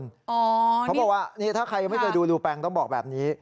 เขาบอกว่านี่ถ้าใครยังไม่เคยดูรูแปงต้องบอกแบบนี้